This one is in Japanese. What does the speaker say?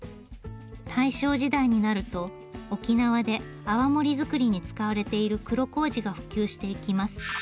大正時代になると沖縄で泡盛造りに使われている黒麹が普及していきます。